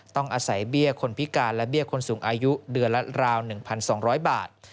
ต้องอาศัยเบี้ยคนพิการและเบี้ยคนสูงอายุเดือนละราว๑๒๐๐บาท